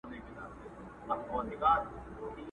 له خټو جوړه لویه خونه ده زمان ژوولې٫